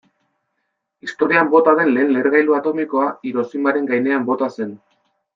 Historian bota den lehen lehergailu atomikoa Hiroshimaren gainean bota zen.